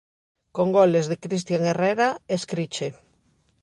Con goles de Cristian Herrera e Escriche.